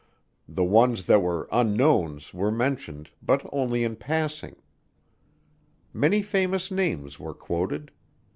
The ones that were unknowns were mentioned, but only in passing. Many famous names were quoted.